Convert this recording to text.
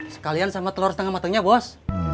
sekalian sama telur setengah matangnya bos